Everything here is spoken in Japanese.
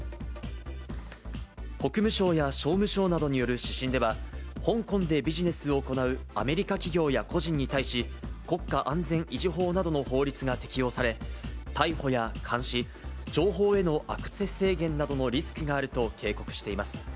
国務省や商務省などによる指針では、香港でビジネスを行うアメリカ企業や個人に対し、国家安全維持法などの法律が適用され、逮捕や監視、情報へのアクセス制限などのリスクがあると警告しています。